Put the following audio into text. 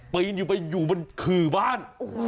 ไปกันไปอยู่บนคือบ้าน